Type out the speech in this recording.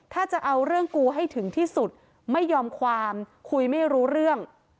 ถ้าจะเอาเรื่องกูให้ถึงที่สุดไม่ยอมความคุยไม่รู้เรื่อง